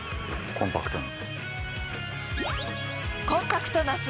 コンパクトに。